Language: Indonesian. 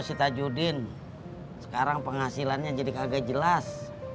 sita judin sekarang penghasilannya jadi kagak jelas